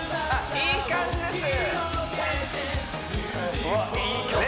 いい感じですよ